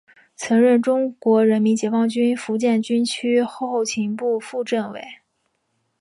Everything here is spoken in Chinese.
曾任中国人民解放军福建军区后勤部副政委。